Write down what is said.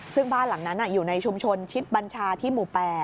ซึ่งบ้านหลังนั้นอยู่ในชุมชนชิดบัญชาที่หมู่๘